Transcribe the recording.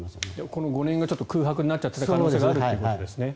この５年が空白になっていた可能性があるということですね。